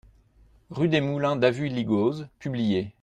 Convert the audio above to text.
Rue des Moulins d'Avulligoz, Publier